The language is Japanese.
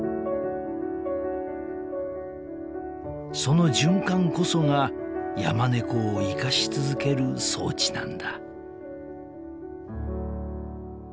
［その循環こそがヤマネコを生かし続ける装置なんだ］